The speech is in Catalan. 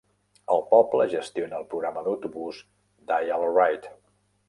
El poble gestiona el programa d'autobús "Dial-A-Ride".